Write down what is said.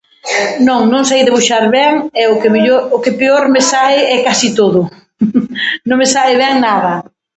Non, non sei debuxar ben e o que mello-, o que peor me sae é casi todo. Non me sae ben nada.